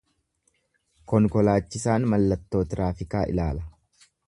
Konkolaachisaan mallattoo tiraafikaa ilaala.